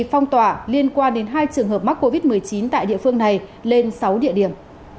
phong tỏa liên quan đến hai trường hợp mắc covid một mươi chín tại địa phương này lên sáu địa điểm